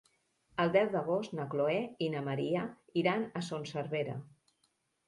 El deu d'agost na Chloé i na Maria iran a Son Servera.